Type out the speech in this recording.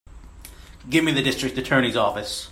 Give me the District Attorney's office.